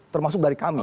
termasuk dari kami